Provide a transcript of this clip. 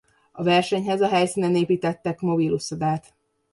A versenyhez a helyszínen építettek mobil uszodát.